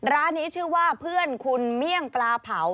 ร้านนี้ชื่อว่าเพื่อนคุณเมี่ยงปลาเผา